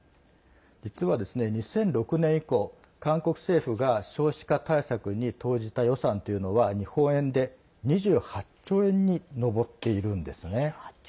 実は２００６年以降、韓国政府が少子化対策に投じた予算というのは日本円で２８兆円に上っているんですね。